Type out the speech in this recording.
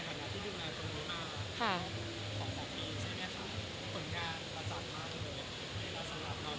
ผลงานวาจารย์มากสำหรับน้องพยาศาลโรเซอร์